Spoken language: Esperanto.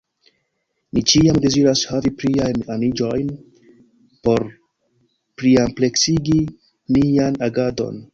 Ni ĉiam deziras havi pliajn aniĝojn por pliampleksigi nian agadon.